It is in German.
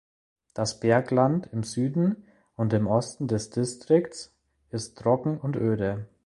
Das Bergland im Süden und im Osten des Distrikts ist trocken und öde.